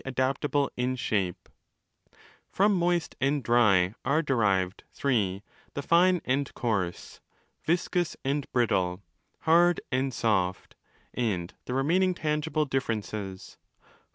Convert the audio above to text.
2 329" From moist and dry are derived (iii) the fine and coarse, viscous and brittle, hard and soft, and the remaining tangible differences.